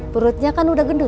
perutnya kan udah gendut